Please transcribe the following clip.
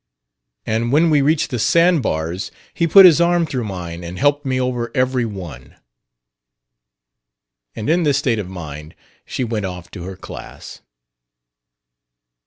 And when we reached the sandbars he put his arm through mine and helped me over every one." And in this state of mind she went off to her class.